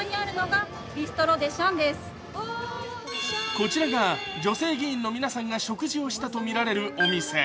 こちらが女性議員の皆さんが食事をしたとみられるお店。